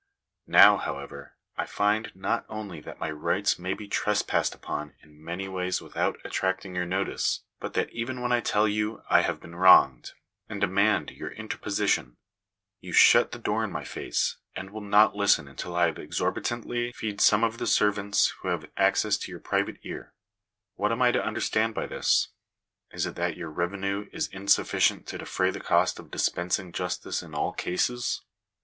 Now, however, I find, not only that my rights may be trespassed upon in many ways without attracting your notice, but that even when I tell you I have been wronged, and demand your interposition, you shut the door in my face, and will not listen until I have exorbitantly feed some of the servants who have access to your private ear. What am I to understand by this ? Is it that your revenue is insufficient to defray the cost of dispensing justice in all cases